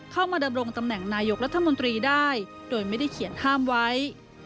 เข้ามาดำรงตำแหน่งนายกรัฐมนตรีได้โดยไม่ได้เขียนห้ามไว้